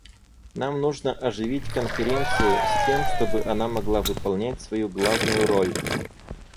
Нам нужно оживить Конференцию, с тем чтобы она могла выполнять свою главную роль.